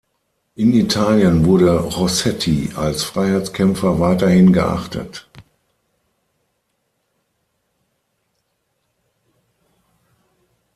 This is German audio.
In Italien wurde Rossetti als Freiheitskämpfer weiterhin geachtet.